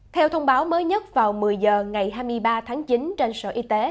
theo thông báo mới nhất vào một mươi h ngày hai mươi ba tháng chín trên sở y tế